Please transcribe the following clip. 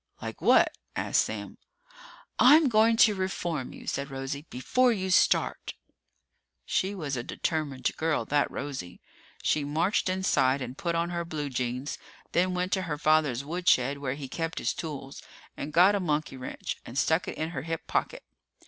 "Like what?" asked Sam. "I'm going to reform you," said Rosie, "before you start!" She was a determined girl, that Rosie. She marched inside and put on her blue jeans, then went to her father's woodshed where he kept his tools and got a monkey wrench and stuck it in her hip pocket.